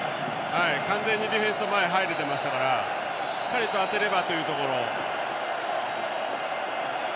完全にディフェンスの前入れてましたからしっかりと当てればというところ。